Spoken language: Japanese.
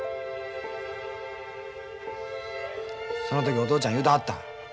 その時お父ちゃん言うてはった。